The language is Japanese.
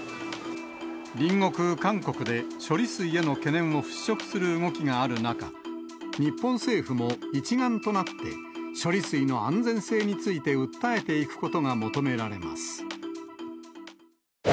隣国、韓国で処理水への懸念を払拭する動きがある中、日本政府も一丸となって、処理水の安全性について訴えていくことが求められます。